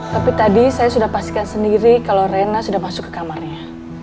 tapi tadi saya sudah pastikan sendiri kalau rena sudah masuk ke kamarnya